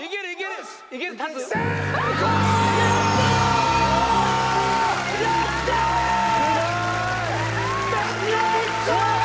すごい！